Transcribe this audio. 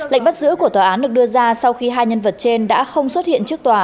lệnh bắt giữ của tòa án được đưa ra sau khi hai nhân vật trên đã không xuất hiện trước tòa